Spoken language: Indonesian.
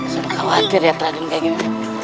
saya khawatir lihat raden kayak gini